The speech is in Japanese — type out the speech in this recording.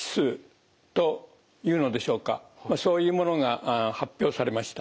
そういうものが発表されました。